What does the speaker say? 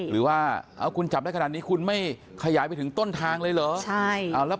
หรือว่าคุณจับได้ขนาดนี้คุณไม่ขยายไปถึงต้นทางเลยเหรอ